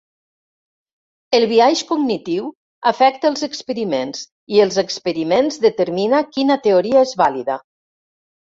El biaix cognitiu afecta els experiments i els experiments determina quina teoria és vàlida.